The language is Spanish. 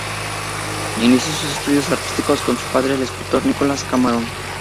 Inició sus estudios artísticos con su padre, el escultor Nicolás Camarón.